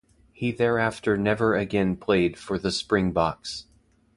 He thereafter never again played for the Springboks.